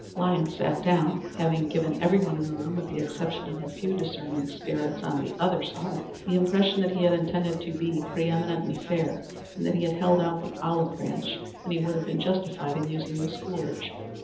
Lyons sat down, having given everyone in the room, with the exception of a few discerning spirits on the other side, the impression that he had intended to be pre eminently fair, and that he had held out the olive branch when he would have been justified in using the scourge.